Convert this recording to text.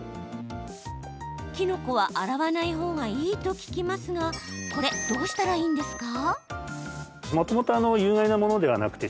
キノコは洗わない方がいいと聞きますがどうしたらいいんですか？